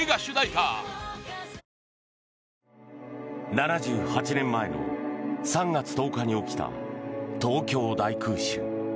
７８年前の３月１０日に起きた東京大空襲。